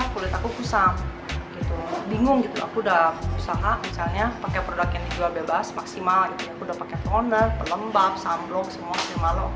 katakanlah have unserem blok